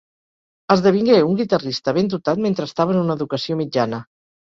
Esdevingué un guitarrista ben dotat mentre estava en una educació mitjana.